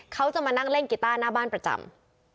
เขาจะมานั่งเล่นกีต้าหน้าบ้านประจำ